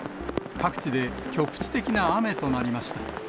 各地で局地的な雨となりました。